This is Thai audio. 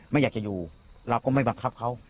ไม่อยากจะอยู่เราก็ไม่บังคับเขา